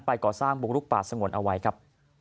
ก่อสร้างบุกลุกป่าสงวนเอาไว้ครับ